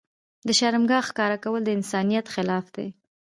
د شرمګاه ښکاره کول د انسانيت خلاف دي.